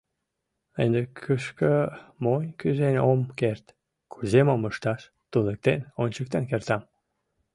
Ынде кӱшкӧ монь кӱзен ом керт, кузе мом ышташ — туныктен, ончыктен кертам.